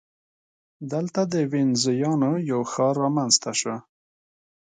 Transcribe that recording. دلته د وینزیانو یو ښار رامنځته شو.